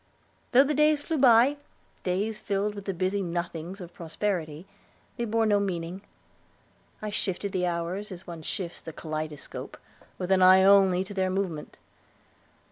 Though the days flew by, days filled with the busy nothings of prosperity, they bore no meaning. I shifted the hours, as one shifts the kaleidoscope, with an eye only to their movement.